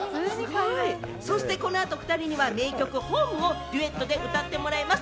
この後、お２人には名曲『ｈｏｍｅ』をデュエットで歌ってもらいます。